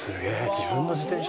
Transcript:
自分の自転車。